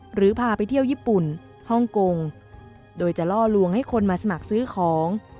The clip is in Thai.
หรือพาไปเที่ยวญี่ปุ่นฮ่องกงโดยจะล่อลวงให้คนมาสมัครซื้อของ